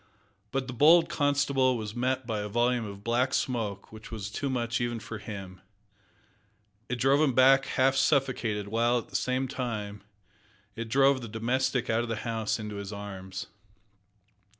But the bold constable was met by a volume of black smoke which was too much even for him. It drove him back half suffocated, while, at the same time, it drove the domestic out of the house into his arms.